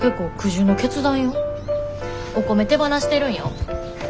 お米手放してるんよ。